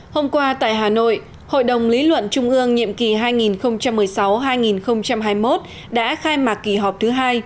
hôm qua tại hà nội hội đồng lý luận trung ương nhiệm kỳ hai nghìn một mươi sáu hai nghìn hai mươi một đã khai mạc kỳ họp thứ hai